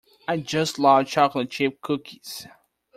I just love chocolate chip cookies.